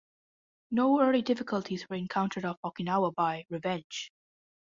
No early difficulties were encountered off Okinawa by "Revenge".